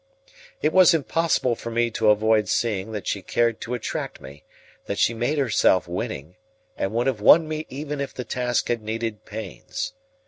It was impossible for me to avoid seeing that she cared to attract me; that she made herself winning, and would have won me even if the task had needed pains.